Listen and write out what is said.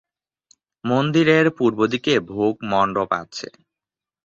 মন্দিরের পূর্বদিকে ভোগ-মণ্ডপ আছে।